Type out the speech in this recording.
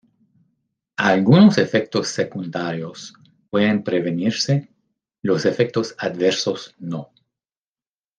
Algunos efectos secundarios pueden prevenirse, los efectos adversos no.